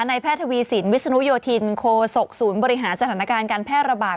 แพทย์ทวีสินวิศนุโยธินโคศกศูนย์บริหารสถานการณ์การแพร่ระบาด